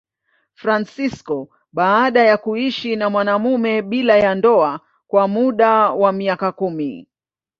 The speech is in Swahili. Fransisko baada ya kuishi na mwanamume bila ya ndoa kwa muda wa miaka kumi.